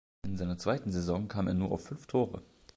In seiner zweiten Saison kam er nur auf fünf Tore.